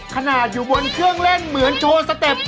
ขนาดอยู่บนเครื่องเล่นเหมือนโชว์สเต็ป